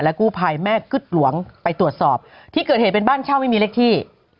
กู้ภัยแม่กึ๊ดหลวงไปตรวจสอบที่เกิดเหตุเป็นบ้านเช่าไม่มีเลขที่